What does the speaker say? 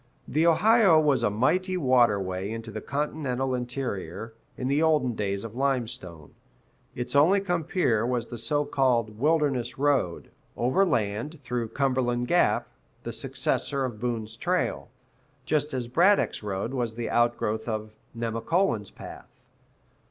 The Ohio was a mighty waterway into the continental interior, in the olden days of Limestone. Its only compeer was the so called "Wilderness Road," overland through Cumberland Gap the successor of "Boone's trail," just as Braddock's Road was the outgrowth of "Nemacolin's path."